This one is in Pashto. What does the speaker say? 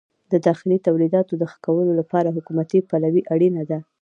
د داخلي تولیداتو د ښه کولو لپاره حکومتي پلوي اړینه ده.